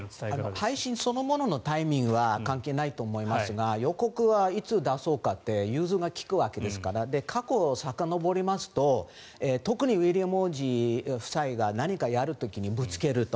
配信そのもののタイミングは関係ないと思いますが予告はいつ出そうかって融通が利くわけですから過去をさかのぼりますと特にウィリアム皇太子夫妻が何かをやる時にぶつけると。